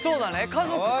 家族か。